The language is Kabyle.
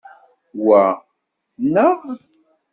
Wa nneɣ.